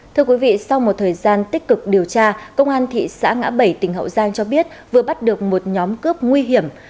thưa quý vị sau một thời gian tích cực điều tra công an thị xã ngã bảy tỉnh hậu giang cho biết vừa bắt được một nhóm cướp nguy hiểm